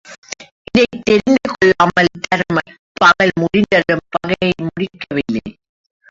இதைத் தெரிந்து கொள்ளாமல் தருமன் பகல் முடிந்தும் பகையை முடிக்க வில்லை.